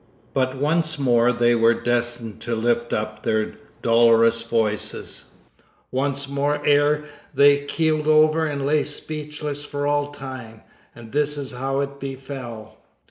But once more they were destined to lift up their dolorous voices once more ere they keeled over and lay speechless for all time. And this is how it befell.